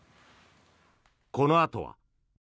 このあとは。